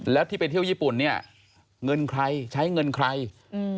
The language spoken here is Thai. แล้วที่ไปเที่ยวญี่ปุ่นเนี้ยเงินใครใช้เงินใครอืม